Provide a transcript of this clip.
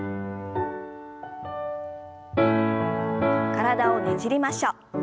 体をねじりましょう。